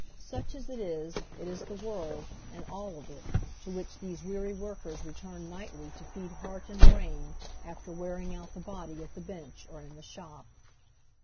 Such as it is, it is the world, and all of it, to wliich these weary workers return nightly to feed heart and brain after wearing out the body at the bench, or in the shop.